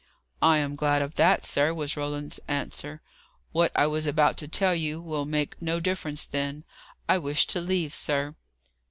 "I am glad of that, sir," was Roland's answer. "What I was about to tell you will make no difference, then. I wish to leave, sir."